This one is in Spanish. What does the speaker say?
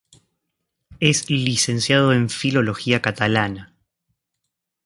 Es licenciado en Filología catalana.